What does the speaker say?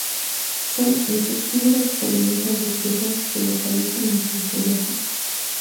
Son insectívoros que se alimentan de presas que localizan entre el follaje.